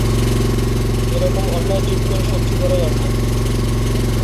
এ-রকম অন্যায় চুপ করে সহ্য করাই অন্যায়।